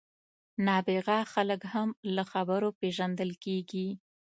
نابغه خلک هم له خبرو پېژندل کېږي.